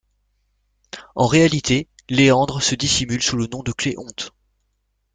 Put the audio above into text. En réalité, Léandre se dissimule sous le nom de Cléonte.